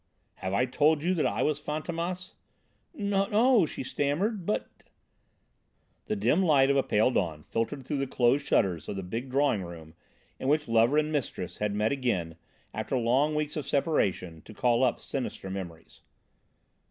"Have I told you that I was Fantômas?" "No," stammered she, "but "The dim light of a pale dawn filtered through the closed shutters of the big drawing room in which lover and mistress had met again, after long weeks of separation, to call up sinister memories.